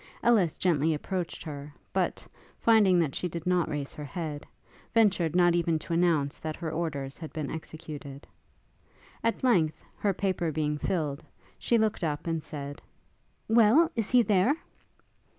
Ellis gently approached her; but, finding that she did not raise her head, ventured not even to announce that her orders had been executed. At length, her paper being filled, she looked up, and said, 'Well! is he there?'